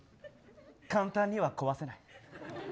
簡単には壊せない。